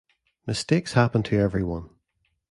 Mistakes happen to everyone.